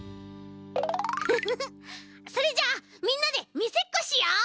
フフフそれじゃあみんなでみせっこしよう！